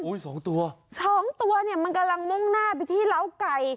สองตัวสองตัวเนี่ยมันกำลังมุ่งหน้าไปที่เล้าไก่